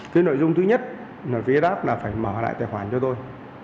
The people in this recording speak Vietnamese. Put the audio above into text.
cái nội dung thứ nhất là phía app là phải mở lại tài khoản cho tôi